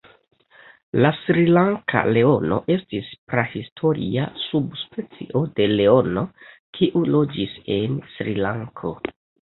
La Srilanka leono estis prahistoria subspecio de leono, kiu loĝis en Srilanko.